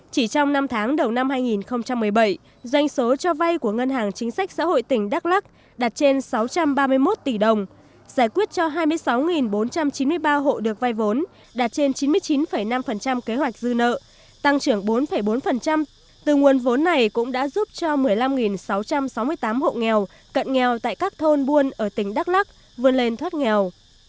chỉ trong năm tháng đầu năm hai nghìn một mươi bảy doanh số cho vay của ngân hàng chính sách xã hội tỉnh đắk lắc đạt trên sáu trăm ba mươi một tỷ đồng giải quyết cho hai mươi sáu bốn trăm chín mươi ba hộ được vay vốn đạt trên chín mươi chín năm kế hoạch dư nợ tăng trưởng bốn bốn từ nguồn vốn này cũng đã giúp cho một mươi năm sáu trăm sáu mươi tám hộ nghèo cận nghèo tại các thôn buôn ở tỉnh đắk lắc vươn lên thoát nghèo